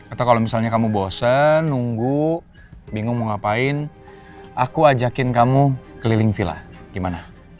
atau kalau misalnya kamu bosen nunggu bingung mau ngapain aku ajakin kamu keliling villa gimana